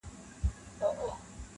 • له هر لوري یې کوله صحبتونه -